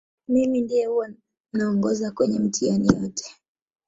mimi ndiye huwa naongoza kwenye mitihani yote